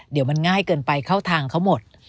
เดี๋ยวมันง่ายเกินไปเข้าทางเขาหมด